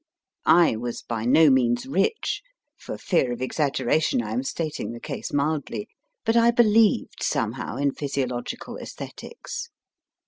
I was by no means rich for fear of exaggeration I am stating the case mildly but I believed somehow in Physiological /Esthetics.